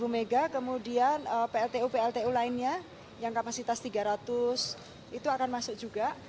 sepuluh mega kemudian pltu pltu lainnya yang kapasitas tiga ratus itu akan masuk juga